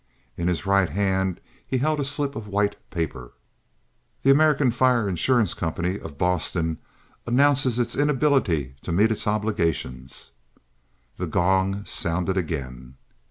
In his right hand he held a slip of white paper. "The American Fire Insurance Company of Boston announces its inability to meet its obligations." The gong sounded again.